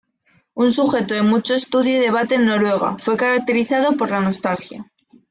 Un sujeto de mucho estudio y debate en Noruega, fue caracterizado por la nostalgia.